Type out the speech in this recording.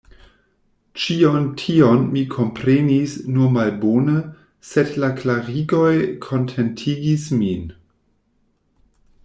Ĉion tion mi komprenis nur malbone, sed la klarigoj kontentigis min.